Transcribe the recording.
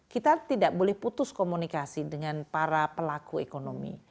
kita tidak boleh putus komunikasi dengan para pelaku ekonomi